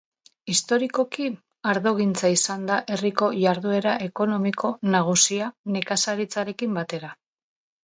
Historikoki ardogintza izan da herriko iharduena ekonomiko nagusia nekazaritzarekin batera.